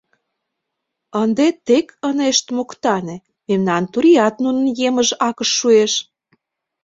Ынде тек ынышт моктане: мемнан туриат нунын емыж акыш шуэш.